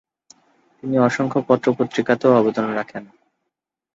তিনি অসংখ্য পত্র-পত্রিকাতেও অবদান রাখেন।